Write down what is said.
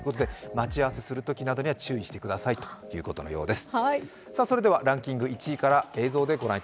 待ち合わせするときなどには注意してくださいということのようです。